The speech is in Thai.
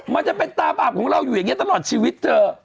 มันจะเป็นตาบาปของเราอยู่อย่างนี้ตลอดชีวิตเธอ